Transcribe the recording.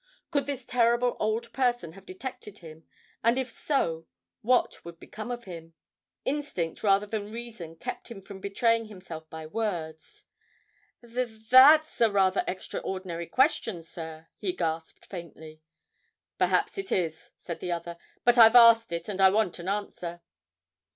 Could this terrible old person have detected him, and if so what would become of him? Instinct rather than reason kept him from betraying himself by words. 'Th that's a rather extraordinary question, sir,' he gasped faintly. 'Perhaps it is,' said the other; 'but I've asked it, and I want an answer.'